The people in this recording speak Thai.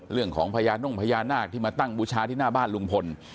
เรื่องของพญานุ่งพญานาคที่มาตั้งบุชาที่หน้าบ้านลุงพล